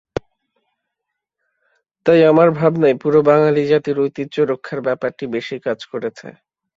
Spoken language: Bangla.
তাই আমার ভাবনায় পুরো বাঙালি জাতির ঐতিহ্য রক্ষার ব্যাপারটি বেশি কাজ করেছে।